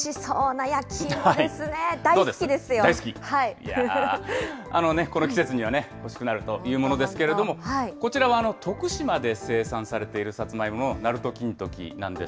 いやー、この季節には欲しくなるというものですけれども、こちらは徳島で生産されているさつまいも、なると金時なんです。